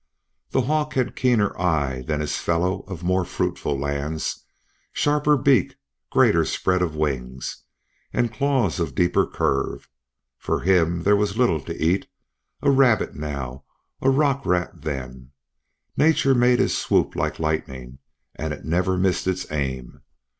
The hawk had a keener eye than his fellow of more fruitful lands, sharper beak, greater spread of wings, and claws of deeper curve. For him there was little to eat, a rabbit now, a rock rat then; nature made his swoop like lightning and it never missed its aim.